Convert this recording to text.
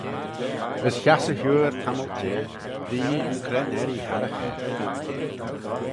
As hass e huyr tammylt jeh, dy yeeaghyn cre'n erree harragh er.